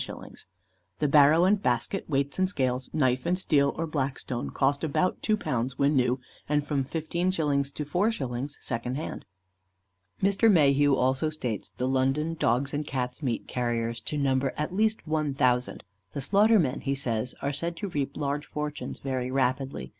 _ The barrow and basket, weights and scales, knife and steel, or blackstone, cost about £2 when new, and from 15_s._ to 4_s._ second hand. Mr. Mayhew also states the London dogs' and cats' meat carriers to number at least one thousand. "The slaughtermen," he says, "are said to reap large fortunes very rapidly.